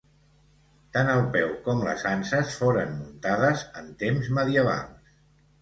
Tant el peu com les anses foren muntades en temps medievals.